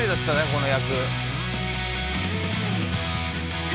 この役。